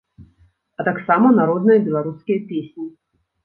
А таксама народныя беларускія песні.